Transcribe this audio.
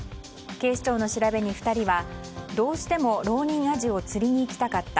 警視庁の調べに２人はどうしてもロウニンアジを釣りに行きたかった。